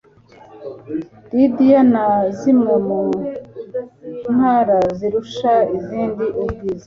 lidiya na zimwe mu ntara zirusha izindi ubwiza